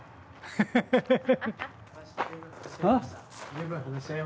ハッハハハ。